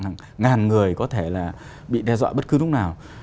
hàng ngàn người có thể là bị đe dọa bất cứ lúc nào